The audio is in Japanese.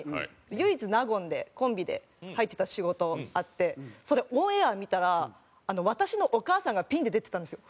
唯一納言でコンビで入ってた仕事あってそれオンエア見たら私のお母さんがピンで出てたんですよ。